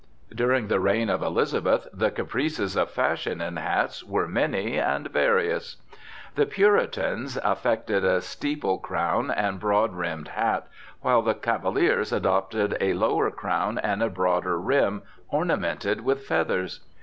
During the reign of Elizabeth the caprices of fashion in hats were many and various. The Puritans affected a steeple crown and broad brimmed hat, while the Cavaliers adopted a lower crown and a broader brim ornamented with feathers.